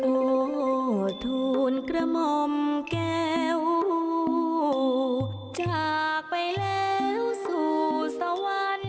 โอ้โหทูลกระหม่อมแก้วจากไปแล้วสู่สวรรคาไหล